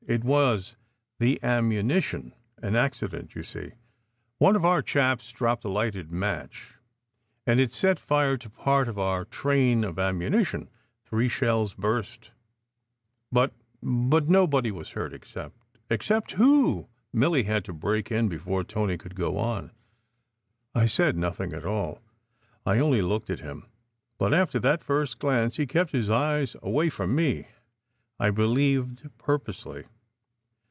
It was the ammunition; an acci dent, you see. One of our chaps dropped a lighted match, and it set fire to part of our train of ammunition. Three shells burst, but but nobody was hurt except " "Except who?" Milly had to break in before Tony could go on. I said nothing at all. I only looked at him. But after that first glance he kept his eyes away from me, I believed purposely.